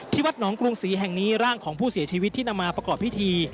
วัดหนองกรุงศรีแห่งนี้ร่างของผู้เสียชีวิตที่นำมาประกอบพิธี